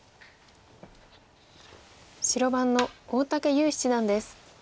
白番の大竹優七段です。